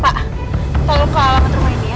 pak tolong ke alamat rumah ini ya